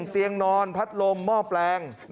เตียงนอนพัดลมหม้อแปลง